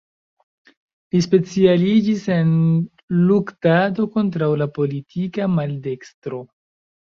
Li specialiĝis en luktado kontraŭ la politika maldekstro.